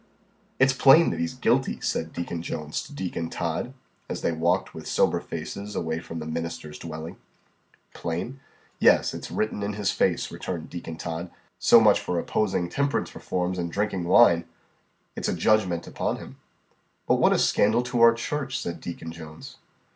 "It's plain that he's guilty," said Deacon Jones to Deacon Todd, as they walked with sober faces away from the minister's dwelling. "Plain? Yes it's written in his face," returned Deacon Todd. "So much for opposing temperance reforms and drinking wine. It's a judgment upon him." "But what a scandal to our church!" said Deacon Jones.